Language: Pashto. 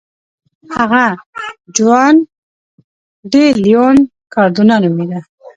هغه جوان ډي لیون کاردونا نومېده.